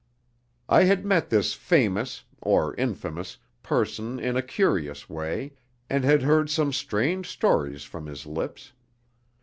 I had met this famous (or infamous) person in a curious way, and had heard some strange stories from his lips.